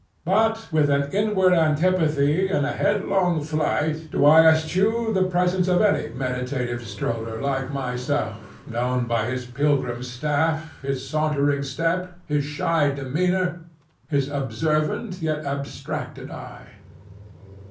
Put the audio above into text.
But with an inward antipathy and a headlong flight do I eschew the presence of any meditative stroller like myself, known by his pilgrim staff, his sauntering step, his shy demeanor, his observant yet abstracted eye.